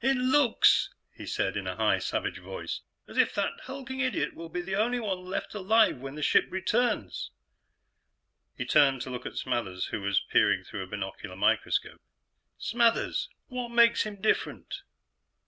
"It looks," he said in a high, savage voice, "as if that hulking idiot will be the only one left alive when the ship returns!" He turned to look at Smathers, who was peering through a binocular microscope. "Smathers, what makes him different?"